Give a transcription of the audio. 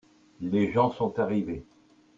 les gens sont arrivés.